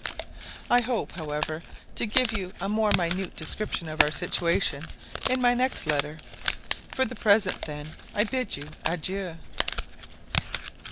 I hope, however, to give you a more minute description of our situation in my next letter. For the present, then, I bid you adieu.